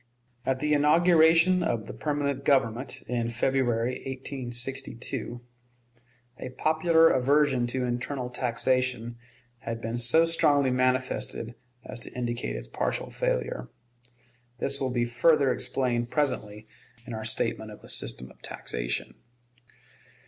At the inauguration of the permanent Government, in February, 1862, a popular aversion to internal taxation had been so strongly manifested as to indicate its partial failure. This will be further explained presently in our statement of the system of taxation.